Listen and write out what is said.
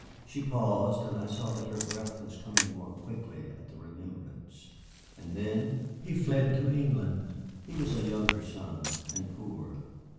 She paused, and I saw that her breath was coming more quickly at the remembrance. "And then?" "He fled to England. He was a younger son, and poor.